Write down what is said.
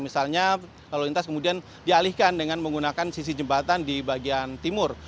misalnya lalu lintas kemudian dialihkan dengan menggunakan sisi jembatan di bagian timur